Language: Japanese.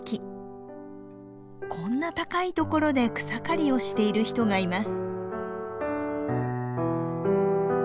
こんな高い所で草刈りをしている人がいます。